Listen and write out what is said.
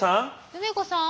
梅子さん？